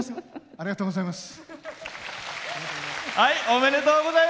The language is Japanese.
ありがとうございます。